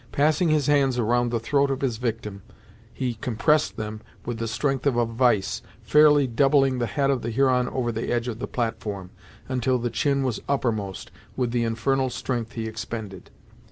Passing his hands around the throat of his victim, he compressed them with the strength of a vice, fairly doubling the head of the Huron over the edge of the platform, until the chin was uppermost, with the infernal strength he expended.